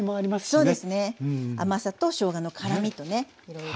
そうですね甘さとしょうがの辛みとねいろいろ。